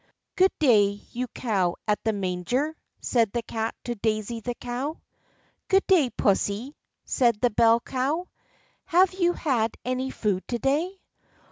"Good day, you cow at the manger," said the Cat to Daisy the cow. "Good day, pussy," said the bell cow; "have you had any food to day?"